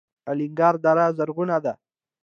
الینګار دره زرغونه ده؟